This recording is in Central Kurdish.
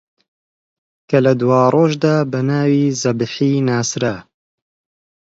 کە لە دواڕۆژدا بە ناوی زەبیحی ناسرا